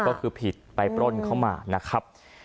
ก็คือผิดไปปล้นเข้ามานะครับ